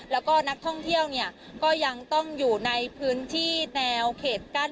แล้วก็นักท่องเที่ยวเนี่ยก็ยังต้องอยู่ในพื้นที่แนวเขตกั้น